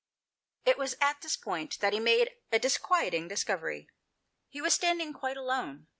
It was at this point that he made a disquiet ing discovery. He was standing quite alone.